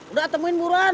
udah ketemuin buruan